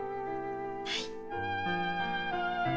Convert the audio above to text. はい。